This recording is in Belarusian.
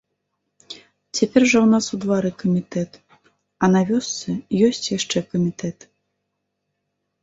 Цяпер жа ў нас у двары камітэт, а на вёсцы ёсць яшчэ камітэт.